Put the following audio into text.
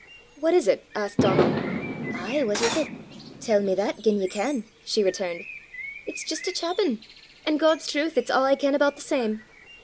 "What is it?" asked Donal. "Ay, what is 't? Tell ye me that gien ye can!" she returned "It's jist a chappin', an' God's trowth, it's a' I ken aboot the same!